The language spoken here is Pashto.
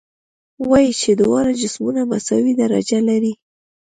وایو چې دواړه جسمونه مساوي درجه لري.